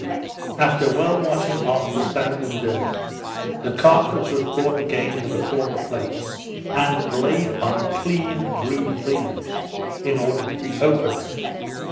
After well washing off the sand and dirt, the carcase was brought again to the former place, and laid on clean green leaves, in order to be opened.